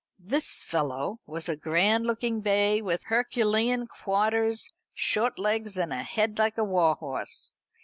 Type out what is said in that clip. "This fellow" was a grand looking bay, with herculean quarters, short legs, and a head like a war horse.